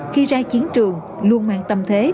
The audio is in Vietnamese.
khi ra chiến trường luôn mang tâm thế